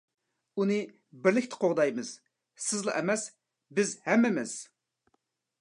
-ئۇنى بىرلىكتە قوغدايمىز. سىزلا ئەمەس، بىز ھەممىمىز!